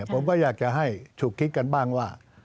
ผมก็อยากจะให้ฉุกคิดกันบ้างว่า